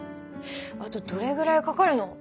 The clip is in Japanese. あとどれぐらいかかるの？